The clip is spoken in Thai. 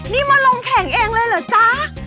นี่มาลงแข่งเองเลยเหรอจ๊ะ